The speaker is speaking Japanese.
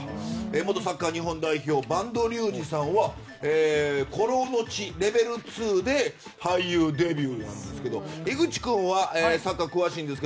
元サッカー日本代表播戸竜二さんは俳優デビューしましたけど井口君はサッカーに詳しいんですが